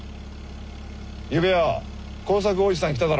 ゆうべよ耕作おじさん来ただろ？